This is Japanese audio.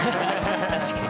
確かに。